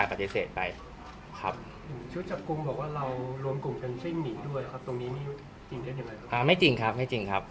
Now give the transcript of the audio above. ตรงนี้นี่จริงจริงอะไรครับอ่าไม่จริงครับไม่จริงครับ